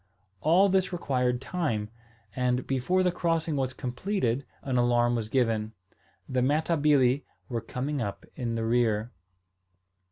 All this required time; and, before the crossing was completed an alarm was given. The Matabili were coming up in the rear.